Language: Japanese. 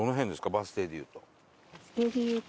バス停で言うと。